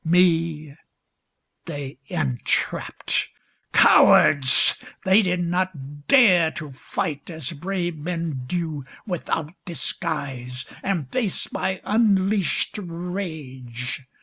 134 Me, they entrapped ... cowards ! They did not dare To fight, as brave men do, without disguise. And face my unleashed rage